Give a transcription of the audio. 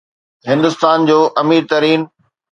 هندستان جو امير ترين